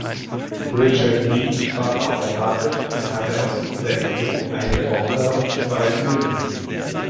Richard Meade war verheiratet und hatte aus dieser Ehe eine Tochter und zwei Söhne.